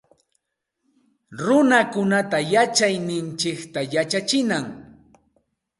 Runakunata yachayninchikta yachachinam